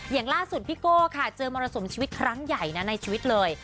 อย่างล่าสุดพี่โก้ค่ะเจอมรสุมชีวิตครั้งใหญ่นะในชีวิตเลย